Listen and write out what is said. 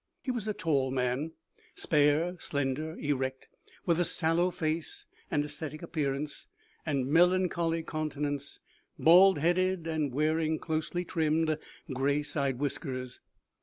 He was a tall man, spare, slender, erect, with a sallow face and ascetic appearance, and melancholy countenance bald headed, and wearing closely trimmed, gray side whiskers.